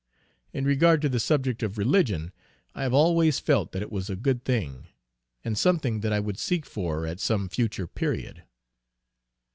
In regard to the subject of Religion, I have always felt that it was a good thing, and something that I would seek for at some future period."